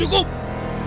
aku mau pergi